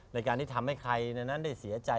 ในการที่ทำให้ใครในนั้นได้เสียใจ